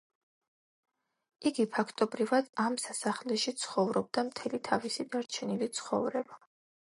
იგი ფაქტობრივად ამ სასახლეში ცხოვრობდა მთელი თავისი დარჩენილი ცხოვრება.